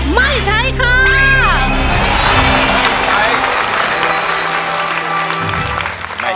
ไม่ใช้ค่ะ